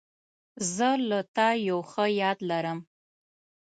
زه له تا یو ښه یاد لرم.